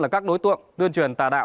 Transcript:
các đối tượng tuyên truyền tà đạo